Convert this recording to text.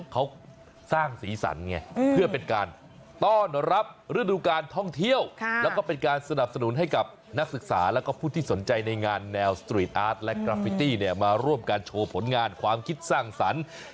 เขาสร้างสีสันไงเพื่อเป็นการต้อนรับฤดูการท่องเที่ยวแล้วก็เป็นการสนับสนุนให้กับนักศึกษาแล้วก็ผู้ที่สนใจในงานแนวสตรีทอาร์ตและกราฟิตี้เนี่ยมาร่วมการโชว์ผลงานความคิดสร้างสรรค์